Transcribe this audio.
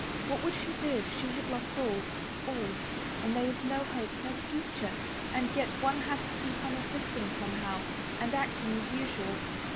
What would she do if she had lost all — all — and there was no hope — no future ... and yet one had to keep on existing somehow and acting as usual